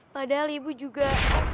padahal ibu juga